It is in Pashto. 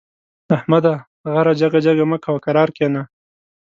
احمده! غره جګه جګه مه کوه؛ کرار کېنه.